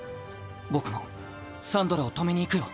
僕もサンドラを止めに行くよ。